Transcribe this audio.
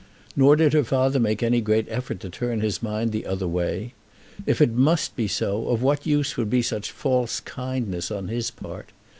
Nor did her father make any great effort to turn his mind the other way. If it must be so, of what use would be such false kindness on his part?